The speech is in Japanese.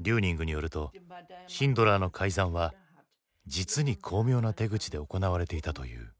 リューニングによるとシンドラーの改ざんは実に巧妙な手口で行われていたという。